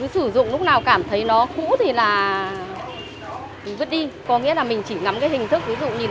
sử dụng lúc nào cảm thấy nó cũ thì là vứt đi có nghĩa là mình chỉ ngắm cái hình thức ví dụ nhìn